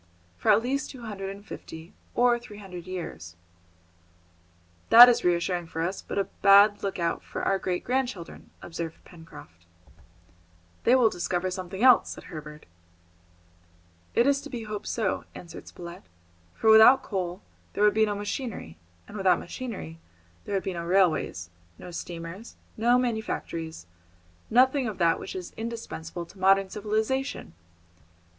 "For at least two hundred and fifty or three hundred years." "That is reassuring for us, but a bad look out for our great grandchildren!" observed Pencroft. [Illustration: WINTER EVENINGS IN GRANITE HOUSE] "They will discover something else," said Herbert. "It is to be hoped so," answered Spilett, "for without coal there would be no machinery, and without machinery there would be no railways, no steamers, no manufactories, nothing of that which is indispensable to modern civilisation!"